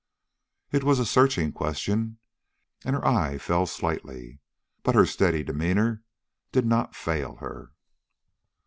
It was a searching question, and her eye fell slightly, but her steady demeanor did not fail her.